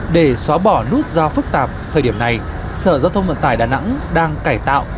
để xóa bỏ nút giao phức tạp thời điểm này sở giao thông vận tải đà nẵng đang cải tạo